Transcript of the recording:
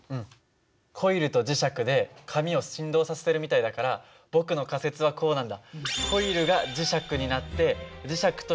コイルと磁石で紙を振動させてるみたいだから僕の仮説はこうなんだ。